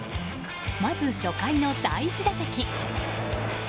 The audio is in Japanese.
まず初回の第１打席。